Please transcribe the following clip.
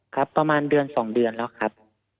ประมาณเดือน๒เดือนแล้วครับ